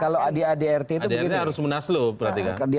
kalau di adart itu begini